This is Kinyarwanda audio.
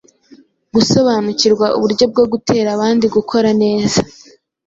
gusobanukirwa uburyo bwo gutera abandi gukorana neza.